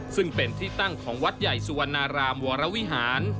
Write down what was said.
ซึ่งเป็นที่ตั้งของวัดใหญ่สุวรรณรามวรวิหาร